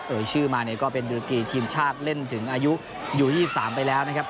ชื่อมาเนี่ยก็เป็นดือกีทีมชาติเล่นถึงอายุอยู่๒๓ไปแล้วนะครับ